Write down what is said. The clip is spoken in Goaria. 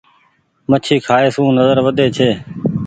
مڇي کآئي سون نزر وڌي ڇي۔